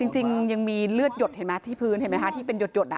จริงยังมีเลือดหยดเห็นไหมที่พื้นเห็นไหมคะที่เป็นหยด